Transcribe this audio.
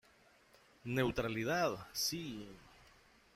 Neutralidad Si!